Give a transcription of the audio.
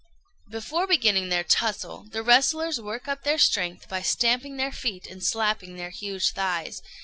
] Before beginning their tussle, the wrestlers work up their strength by stamping their feet and slapping their huge thighs.